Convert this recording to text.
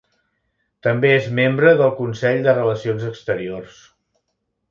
També és membre del Consell de Relacions Exteriors.